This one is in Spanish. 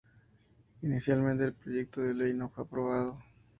Inicialmente el proyecto de ley no fue aprobado.